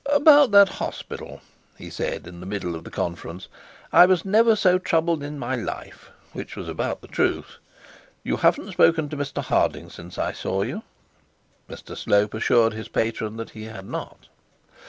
'About that hospital,' he said, in the middle of the conference. 'I was never so troubled in my life;' which was about the truth. 'You haven't spoken to Mr Harding since I saw you?' Mr Slope assured his patron that he had not.